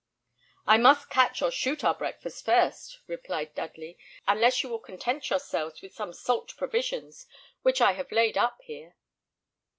"I must catch or shoot our breakfast first," replied Dudley, "unless you will content yourselves with some salt provisions which I have laid up here."